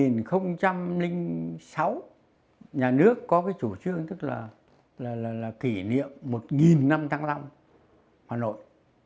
năm hai nghìn sáu nhà nước có cái chủ trương tức là kỷ niệm một năm thăng long hà nội